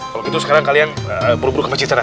kalo gitu sekarang kalian buru buru ke peciktur ya